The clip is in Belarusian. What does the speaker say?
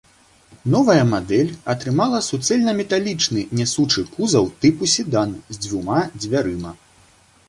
Новая мадэль атрымала суцэльнаметалічны нясучы кузаў тыпу седан з дзвюма дзвярыма.